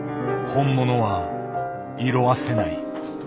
本物は色あせない。